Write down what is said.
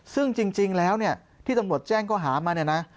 ซึ่งจริงแล้วที่ตำรวจแจ้งเขาหามา